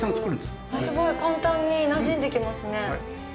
すごい、簡単になじんできますね。